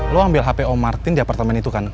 lo ambil hp o martin di apartemen itu kan